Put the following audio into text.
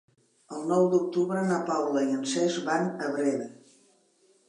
El nou d'octubre na Paula i en Cesc van a Breda.